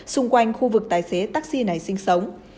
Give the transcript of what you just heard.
xung quanh khu vực tài xế taxi này sinh sống